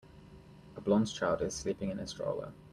a blond child is sleeping in a stroller.